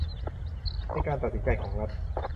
ในการตัดสินใจของรัฐ